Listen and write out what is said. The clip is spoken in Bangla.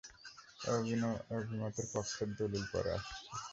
এ অভিমতের পক্ষের দলীল পরে আসছে।